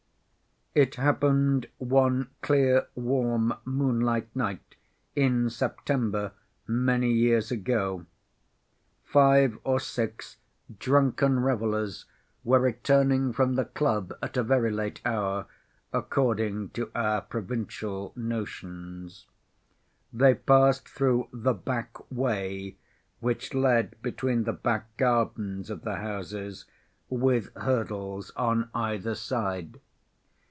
It happened one clear, warm, moonlight night in September (many years ago) five or six drunken revelers were returning from the club at a very late hour, according to our provincial notions. They passed through the "back‐ way," which led between the back gardens of the houses, with hurdles on either side.